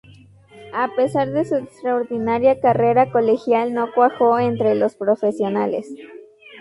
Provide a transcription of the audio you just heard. A pesar de su extraordinaria carrera colegial, no cuajó entre los profesionales.